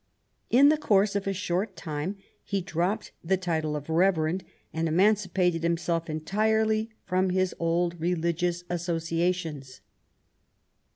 In the course of a «hort time he dropped the title of Reverend and eman cipated himself entirely from his old religious associa tions.